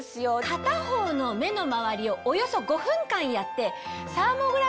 片方の目の周りをおよそ５分間やって。